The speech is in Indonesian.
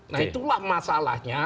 nah itulah masalahnya